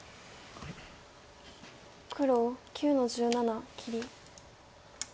黒９の十七切り。